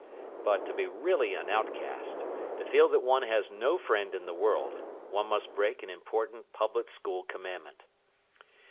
But, to be really an outcast, to feel that one has no friend in the world, one must break an important public school commandment.